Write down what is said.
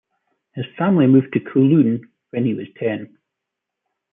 His family moved to Kowloon when he was ten.